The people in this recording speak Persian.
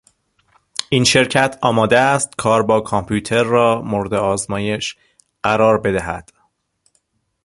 این شرکت آماده است کار با کامپیوتر را مورد آزمایش قرار بدهد.